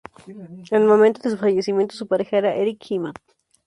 En el momento de su fallecimiento su pareja era Erik Hyman.